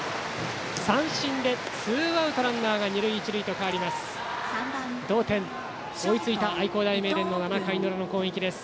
三振でツーアウトランナー、二塁一塁と変わります。